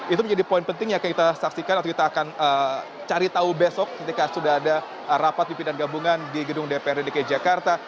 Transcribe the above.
itu menjadi poin penting yang kita saksikan atau kita akan cari tahu besok ketika sudah ada rapat pimpinan gabungan di gedung dprd dki jakarta